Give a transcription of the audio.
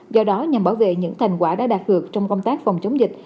do đó nhằm bảo vệ những thành quả đã đạt được trong công tác phòng chống dịch